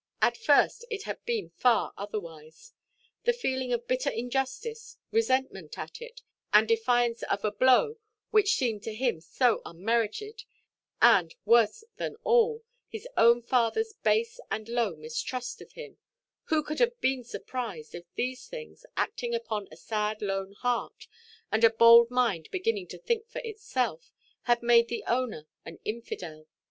At first, it had been far otherwise. The feeling of bitter injustice, resentment at, and defiance of, a blow which seemed to him so unmerited, and, worse than all, his own fatherʼs base and low mistrust of him—who could have been surprised if these things, acting upon a sad lone heart, and a bold mind beginning to think for itself, had made the owner an infidel?